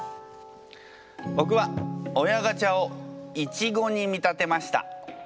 ぼくは「親ガチャ」をいちごに見立てました。